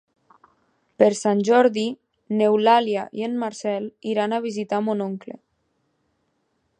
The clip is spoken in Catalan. Per Sant Jordi n'Eulàlia i en Marcel iran a visitar mon oncle.